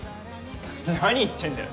何言ってんだよ